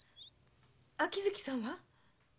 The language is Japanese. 秋月さんは？